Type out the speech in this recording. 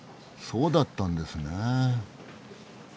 そうだったんですねえ。